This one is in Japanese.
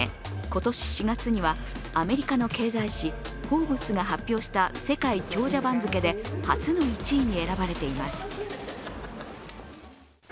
今年４月にはアメリカの経済誌「フォーブス」が発表した世界長者番付で初の１位に選ばれています。